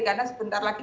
karena sebentar lagi